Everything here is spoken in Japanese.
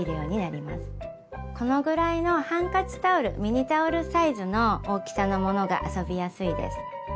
このぐらいのハンカチタオルミニタオルサイズの大きさのものが遊びやすいです。